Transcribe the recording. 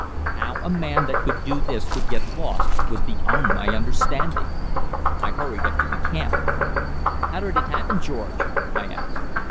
How a man that could do this could get lost was beyond my understanding. I hurried up to camp. "How did it happen, George?" I asked.